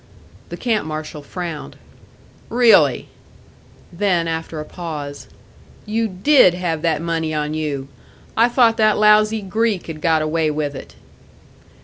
The camp marshal frowned. "Really!" Then, after a pause, "You did have that money on you! I thought that lousy Greek had got away with it!"